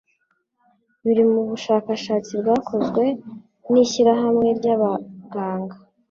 biri Mu bushakashatsi bwakozwe n'ishyirahamwe ry'abaganga